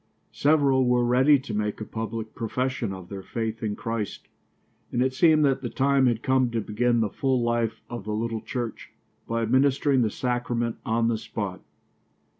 Several were ready to make a public profession of their faith in Christ, and it seemed that the time had come to begin the full life of the little church, by administering the sacrament on the spot.